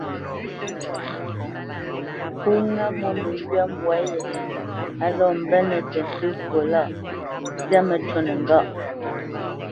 Pó ŋâ mwô məŋgywa mbwǎ yé á lɔ́ mbenə́ tə ntsə fwo lâʼ, zyâ məcûnə ŋgâ.